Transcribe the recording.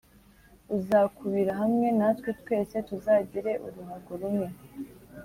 Uzakubira hamwe natwe, Twese tuzagire uruhago rumwe”